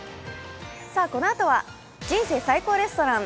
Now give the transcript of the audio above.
さあ、このあとは「人生最高レストラン」。